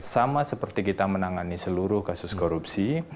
sama seperti kita menangani seluruh kasus korupsi